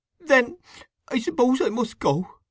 "Then I suppose I must go!"